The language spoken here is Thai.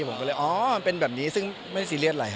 ผมก็เลยอ๋อเป็นแบบนี้ซึ่งไม่ซีเรียสอะไร